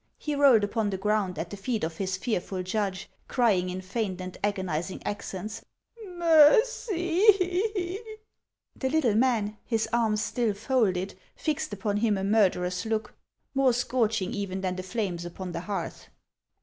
He rolled upon the ground at the feet of his fearful judge, crying in faint and agonizing accents, " Mercy !" The little man, his arms still folded, fixed upon him a murderous look, more scorching even than the flames upon the hearth.